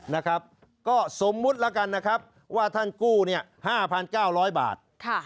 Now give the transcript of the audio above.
นะครับก็สมมุติแล้วกันนะครับว่าท่านกู้เนี่ย๕๙๐๐บาท